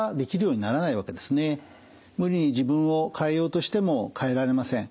無理に自分を変えようとしても変えられません。